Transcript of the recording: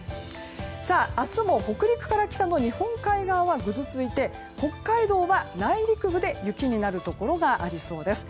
明日も北陸から北の日本海側はぐずついて北海道は内陸部で雪になるところがありそうです。